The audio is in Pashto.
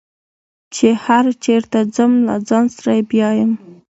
چې هر چېرته ځم له ځان سره یې بیایم.